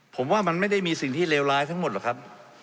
ผมว่ามันไม่ได้มีสิ่งที่เลวร้ายทั้งหมดหรอกครับ